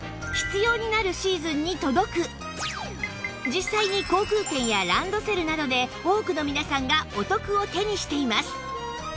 実際に航空券やランドセルなどで多くの皆さんがお得を手にしています